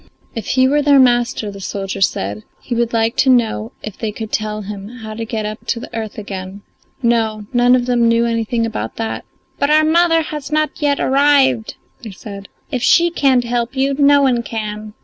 If he were their master, the soldier said, he would like to know if they could tell him how to get up to the earth again. No, none of them knew anything about that; "But our mother has not yet arrived," they said; "if she can't help you, no one can."